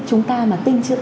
chúng ta mà tinh